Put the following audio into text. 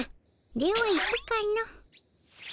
では行くかの。